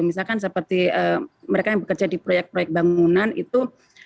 misalkan seperti mereka yang bekerja di proyek proyek bangunan itu